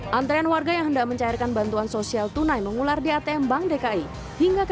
hai antrean warga yang hendak mencairkan bantuan sosial tunai mengular di atm bank dki hingga ke